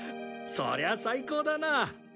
そりゃ最高だな。